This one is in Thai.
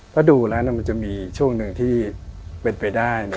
ถ้าดูแล้วมันจะมีช่วงหนึ่งที่เป็นไปได้